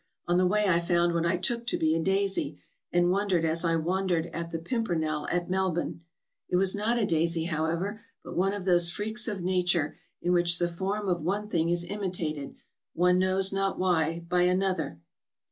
On the way I found what I took to be a daisy, and wondered as I had wondered at the pimpernel at Melbourne. It was not a daisy, however, but one of those freaks of nature in which the form of one thing is imitated, one knows not why, by another.